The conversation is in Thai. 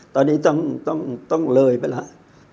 ตอนนี้ต้องเลยไปแล้ว